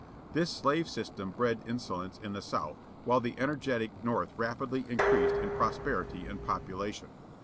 This slave system bred insolence in the South, while the energetic North rapidly increased in prosperity and population.